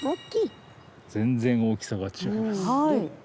全然大きさが違います。